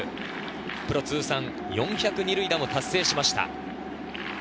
プロ通算４００二塁打を達成しました。